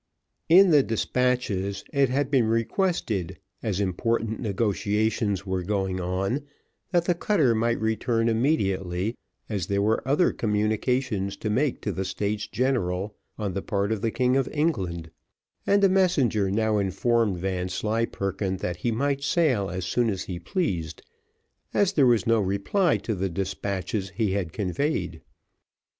In the despatches it had been requested, as important negotiations were going on, that the cutter might return immediately, as there were other communications to make to the States General on the part of the King of England; and a messenger now informed Vanslyperken that he might sail as soon as he pleased, as there was no reply to the despatches he had conveyed.